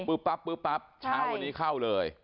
ปั๊บปุ๊บปั๊บเช้าวันนี้เข้าเลย